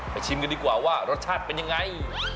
ชิมกันดีกว่าว่ารสชาติเป็นยังไง